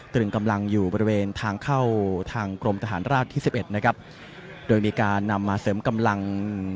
ตรึงกำลังอยู่บริเวณทางเข้าทางกรมทหารราบที่สิบเอ็ดนะครับโดยมีการนำมาเสริมกำลัง